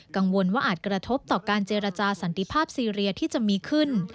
กังวลว่าอาจกระทบต่อการเจรจาสันติภาพซีเรียที่จะมีขึ้น